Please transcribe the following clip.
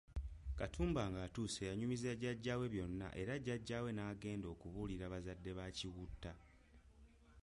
Katumba ng’atuuse yanyumiza jajja we byonna era jajja we n’agenda okubuulira bazadde ba Kiwutta.